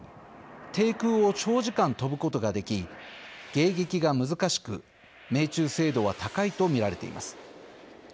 低空を長時間飛ぶことができ迎撃が難しく命中精度は高いと見られています。